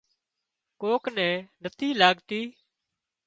ڪوڪ نين نٿِي لاڳتي